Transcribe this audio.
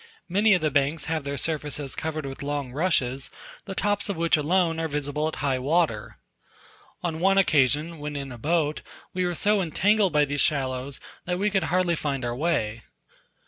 Many of the banks have their surfaces covered with long rushes, the tops of which alone are visible at high water. On one occasion, when in a boat, we were so entangled by these shallows that we could hardly find our way.